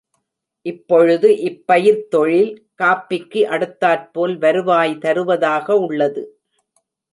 இப்பொழுது இப்பயிர்த்தொழில் காஃபிக்கு அடுத்தாற்போல் வருவாய் தருவதாக உள்ளது.